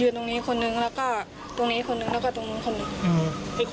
แล้วเขาก็ไหลอยู่ตรงนี้